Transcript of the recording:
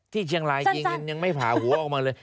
ที่เชียงรายยิงยังไม่ผ่าหัวออกมาเลย